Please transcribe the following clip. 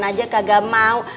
maksudnya dia kagak mau